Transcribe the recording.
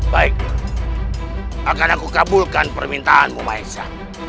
baik akan aku kabulkan permintaanmu maesah